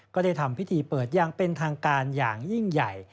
ก็ได้ทำพิธีเปิดอย่างเป็นทางการอย่างยิ่งใหญ่